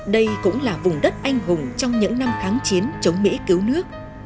đây cũng là vùng đất anh hùng trong những năm kháng chiến chống mỹ cứu nước